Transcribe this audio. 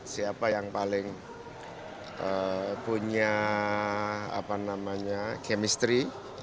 siapa yang paling punya apa namanya kemistri